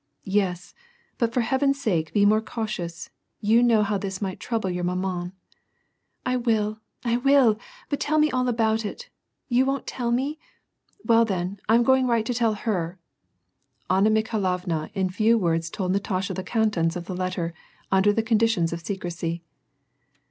''Yes, but for heaven's sake be more cautious; you know how this might trouble your rnaman.^^ "I will, I will, but tell me all about it! — You won't tell me ? Well then, I'm going right to tell her !" Anna Mikhailovna in few words told Natasha the contents of the letter, under the conditions of secrecy.